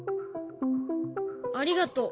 ありがとう。